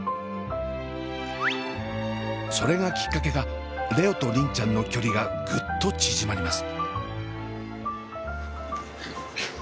それがきっかけか蓮音と梨鈴ちゃんの距離がグッと縮まります。